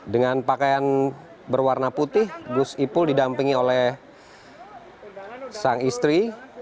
dengan pakaian berwarna putih gus ipul didampingi oleh sang istri